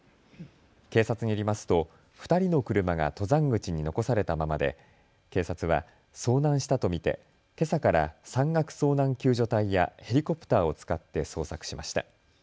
警察によりますと２人の車が登山口に残されたままで警察は遭難したと見てけさから山岳遭難救助隊やヘリコプターを使って捜索しました。